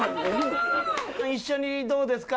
「一緒にどうですか？